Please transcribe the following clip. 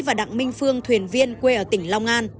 và đặng minh phương thuyền viên quê ở tỉnh long an